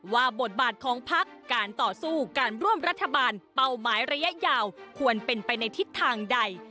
บทบาทของพักการต่อสู้การร่วมรัฐบาลเป้าหมายระยะยาวควรเป็นไปในทิศทางใด